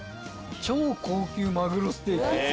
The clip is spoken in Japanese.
超高級マグロステーキです